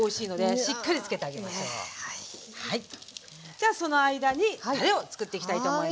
じゃあその間にたれをつくっていきたいと思います。